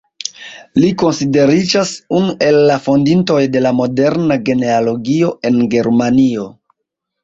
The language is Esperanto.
Li konsideriĝas unu el la fondintoj de la moderna genealogio en Germanio.